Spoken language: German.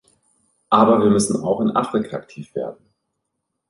Aber wir müssen auch in Afrika aktiv werden.